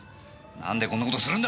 何でこんな事するんだ！？